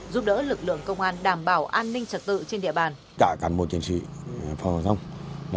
giúp đỡ lực lượng công an đảm bảo an ninh trật tự trên địa bàn